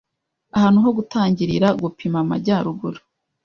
Ahantu ho gutangirira gupima amajyaruguru-